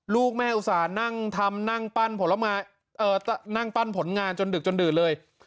ลูกแม่อุตส่านั่งทำนั่งปั้นผลงานจนดึกจนดื่นเลย